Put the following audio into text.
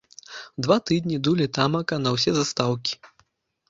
Два тыдні дулі тамака на ўсе застаўкі.